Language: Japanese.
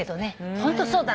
ホントそうだなと。